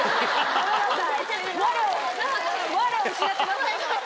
ごめんなさい。